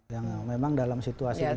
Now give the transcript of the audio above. yang memang dalam situasi ini